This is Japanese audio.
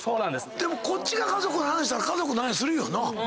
でもこっちが家族の話したら家族の話するよな。